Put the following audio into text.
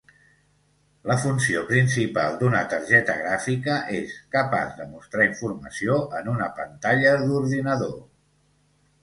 La funció principal d'una targeta gràfica és capaç de mostrar informació en una pantalla d'ordinador.